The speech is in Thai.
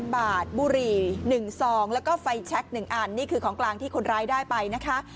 บาทบุหรี่๑ซองแล้วก็ไฟแช็ค๑อันนี่คือของกลางที่คนร้ายได้ไปนะคะ